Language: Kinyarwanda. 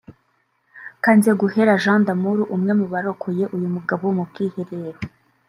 Kanzeguhera Jean d’Amour umwe mu barokoye uyu mugabo mu bwiherero